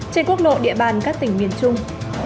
trên quốc lộ địa bàn các tỉnh miền trung